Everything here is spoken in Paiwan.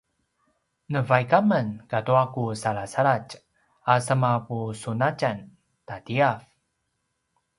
navaik amen katua ku salasaladj a semapusunatjan tatiav